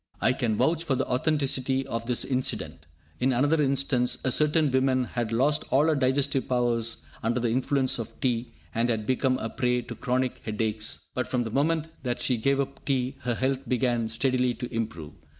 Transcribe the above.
I can vouch for the authenticity of this incident. In another instance, a certain woman had lost all her digestive powers under the influence of tea, and had become a prey to chronic headaches; but from the moment that she gave up tea her health began steadily to improve.